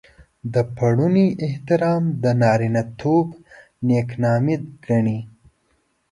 د پړوني احترام د نارينه توب نېکنامي ګڼي.